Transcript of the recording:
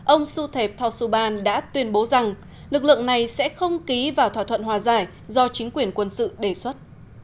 ông suthep thorsuban đã tuyên bố rằng lực lượng này sẽ không ký vào thỏa thuận hòa giải do chính quyền quân sự đề xuất